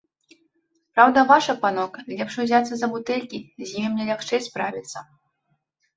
Праўда ваша, панок, лепш узяцца за бутэлькі, з імі мне лягчэй справіцца.